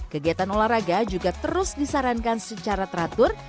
kegiatan olahraga juga terus disarankan secara teratur